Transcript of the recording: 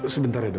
sebentar ya dok